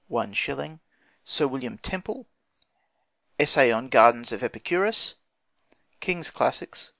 0 1 0 Sir William Temple, Essay on Gardens of Epicurus: King's Classics.